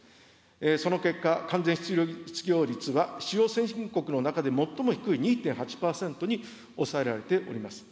その結果、完全失業率は主要先進国の中で最も低い２．８％に抑えられております。